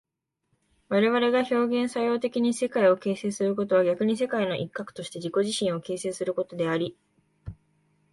我々が表現作用的に世界を形成することは逆に世界の一角として自己自身を形成することであり、